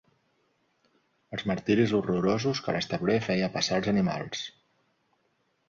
Els martiris horrorosos que l'establer feia passar als animals.